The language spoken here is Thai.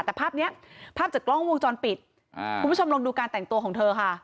แต่ภาพเนี้ยภาพจากกล้องวงจรปิดอ่าคุณผู้ชมลองดูการแต่งตัวของเธอค่ะ